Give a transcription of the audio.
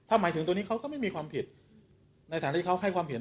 หมายถึงตัวนี้เขาก็ไม่มีความผิดในฐานะที่เขาให้ความผิด